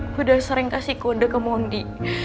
gue udah sering kasih kode ke mondi